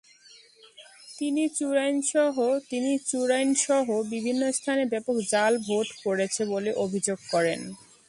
তিনি চুড়াইনসহ বিভিন্ন স্থানে ব্যাপক জাল ভোট পড়েছে বলে অভিযোগ করেন।